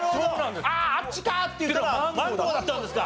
「あああっちか」って言ったのマンゴーだったんですか。